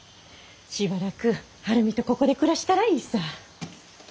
しばらく晴海とここで暮らしたらいいさ。